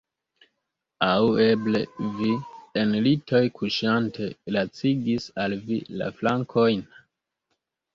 Aŭ eble vi, en litoj kuŝante, lacigis al vi la flankojn?